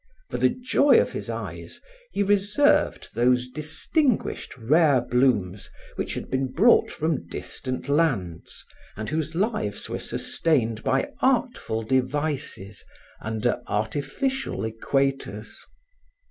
For the joy of his eyes he reserved those distinguished, rare blooms which had been brought from distant lands and whose lives were sustained by artful devices under artificial equators.